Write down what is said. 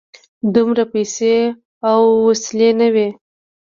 دومره پیسې او وسلې نه وې.